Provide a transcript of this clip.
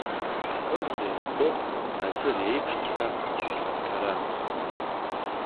Кырӡа ицәгьоуп, Аџыр еиԥшҵәҟьа аҭәара.